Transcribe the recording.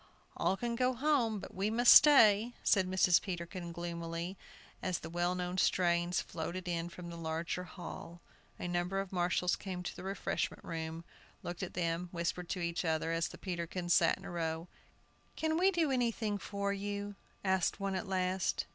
"All can go home, but we must stay," said Mrs. Peterkin, gloomily, as the well known strains floated in from the larger hall. A number of marshals came to the refreshment room, looked at them, whispered to each other, as the Peterkins sat in a row. "Can we do anything for you?" asked one at last.